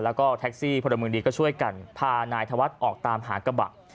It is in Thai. แล้วก็แท็กซี่พลเมืองดีก็ช่วยกันพานายธวัฒน์ออกตามหากระบะ